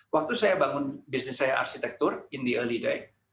waktu saya bangun bisnis saya arsitektur di awal